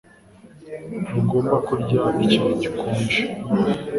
Ntugomba kurya ikintu gikonje